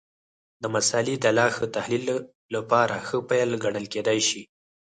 د مسألې د لا ښه تحلیل لپاره ښه پیل ګڼل کېدای شي.